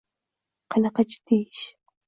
Qanaqa jiddiy ish?!